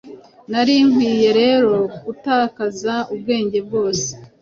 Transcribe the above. Nari nkwiye rero gutakaza ubwenge bwoe